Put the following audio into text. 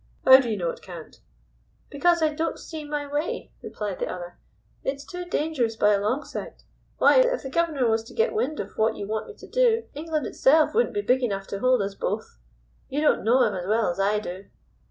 "How do you know it can't?" "Because I don't see my way," replied the other. "It's too dangerous by a long sight. Why, if the guv'nor was to get wind of what you want me to do, England itself wouldn't be big enough to hold us both. You don't know 'im as well as I do."